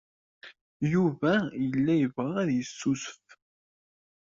Yuba yella yebɣa ad yeccucef.